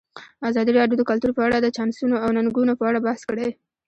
ازادي راډیو د کلتور په اړه د چانسونو او ننګونو په اړه بحث کړی.